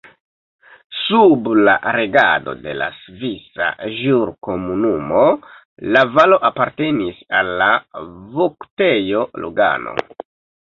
Sub la regado de la Svisa Ĵurkomunumo la valo apartenis al la Voktejo Lugano.